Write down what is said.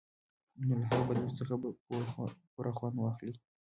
نو له هغه بدلون څخه به پوره خوند واخلئ.